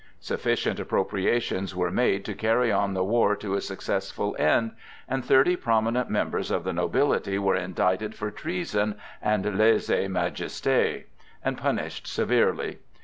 Sufficient appropriations were made to carry on the war to a successful end, and thirty prominent members of the nobility were indicted for treason and lèse majesté, and punished severely.